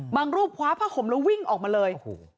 รูปคว้าผ้าขมแล้ววิ่งออกมาเลย